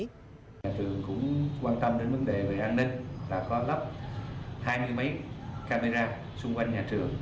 nhà trường cũng quan tâm đến vấn đề về an ninh là có lắp hai mươi máy camera xung quanh nhà trường